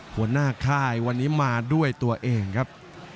หัวหน้าค่ายวันนี้มาด้วยตัวเองครับ